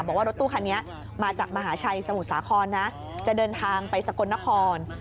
บอกว่ารถตู้คันนี้มาจากมหาชัยสมุทรสาครนะจะเดินทางไปสกลนคร